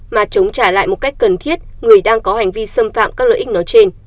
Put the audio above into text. mà chống trả lại một cách cần thiết người đang có hành vi xâm phạm các lợi ích nói trên